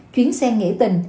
chuyến xe nghỉ tình